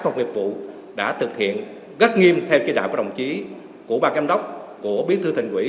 phòng nghiệp vụ đã thực hiện gắt nghiêm theo chế đội của đồng chí của bà giám đốc của biến thư thành quỹ